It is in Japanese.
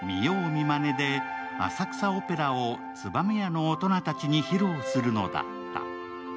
見まねで浅草オペラを燕屋の大人たちに披露するのだった。